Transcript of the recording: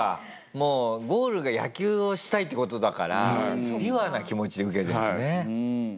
もうゴールが「野球をしたい」って事だからピュアな気持ちで受けてるんですね。